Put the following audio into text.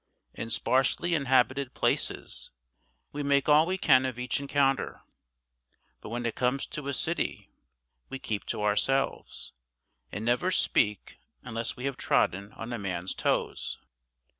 In sparsely inhabited places, we make all we can of each encounter; but when it comes to a city, we keep to ourselves, and never speak unless we have trodden on a man's toes.